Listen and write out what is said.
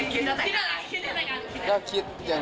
คิดคิดคิดอะไรคิดอะไรกัน